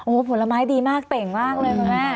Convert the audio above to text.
โอ้โหผลไม้ดีมากเต่งมากเลยคุณแม่